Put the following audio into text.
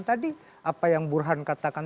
tadi apa yang burhan katakan